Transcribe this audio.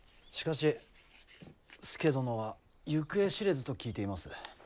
しかし佐殿は行方知れずと聞いています。